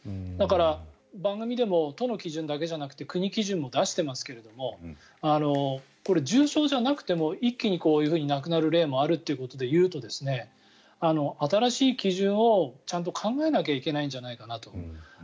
だから、番組でも都の基準だけじゃなくて国基準も出してますけどこれ、重症じゃなくても一気にこういうふうに亡くなる例もあるということでいうと新しい基準をちゃんと考えないといけないんじゃないかなと。